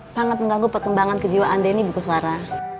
sangat mengganggu perkembangan kejiwaan denny bukuswara